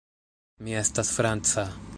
Mi estas franca.